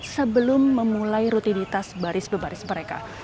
sebelum memulai rutinitas baris baris mereka